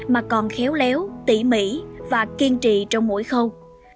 mà còn khéo léo tỉ mỉ và kiên trì trong mỗi khâu